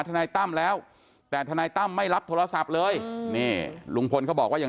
ทนายตั้มแล้วแต่ทนายตั้มไม่รับโทรศัพท์เลยนี่ลุงพลเขาบอกว่ายัง